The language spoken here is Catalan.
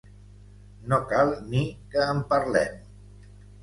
No cal ni que en parlem.